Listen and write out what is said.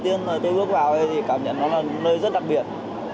điều đầu tiên tôi bước vào đây thì cảm nhận nó là nơi rất đặc biệt